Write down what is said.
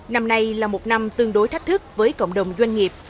năm nay là một năm tương đối thách thức với cộng đồng doanh nghiệp